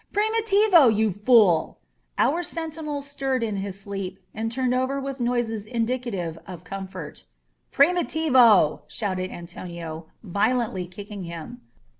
"Primitivo, you fool!" Our sentinel stirred in his sleep and turned over with noises indicative of com fort. "Primitivo !" shouted Antonio, violently kicking him.